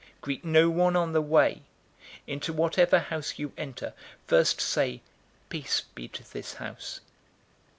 Greet no one on the way. 010:005 Into whatever house you enter, first say, 'Peace be to this house.'